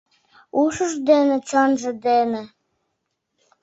Ушыж дене, чонжо дене.